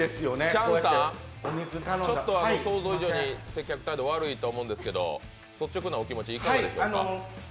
チャンさん、想像以上に接客態度悪いと思いますけど率直なお気持ち、いかがでしょうか。